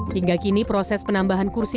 hingga kini proses penambahan kursi